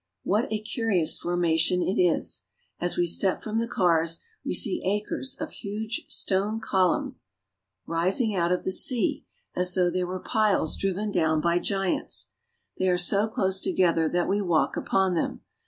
What a curious formation it is ! As we step from the cars we see acres of huge stone columns rising out of the 30 IRELAND. sea, as though they were piles driven down by giants They are so close together that we walk upon them.